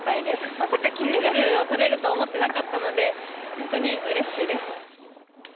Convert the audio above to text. まさか金メダルをとれると思ってなかったので、本当にうれしいです。